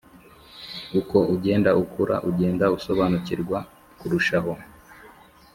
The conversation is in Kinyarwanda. uko ugenda ukura ugenda usobanukirwa kurushaho